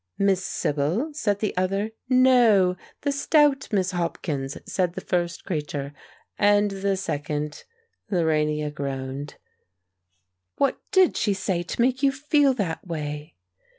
'Miss Sibyl?' said the other. 'No; the stout Miss Hopkins,' said the first creature; and the second " Lorania groaned. "What did she say to make you feel that way?"